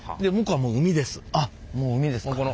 もう海ですか。